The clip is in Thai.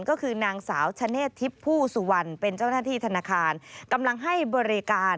ก็คือนางสาวชะเนศทิพธ์ผู้สุวรรณเป็นเจ้าหน้าที่ธนาคาร